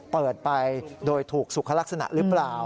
เปิดไปโดยถูกสุขลักษณะหรือเปล่า